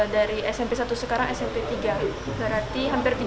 dari smp satu sekarang smp tiga berarti hampir tiga puluh